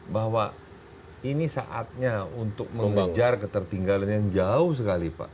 bahwa ini saatnya untuk mengejar ketertinggalan yang jauh sekali pak